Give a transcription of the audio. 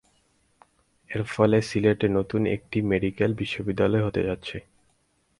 এর ফলে সিলেটে নতুন একটি মেডিকেল বিশ্ববিদ্যালয় হতে যাচ্ছে।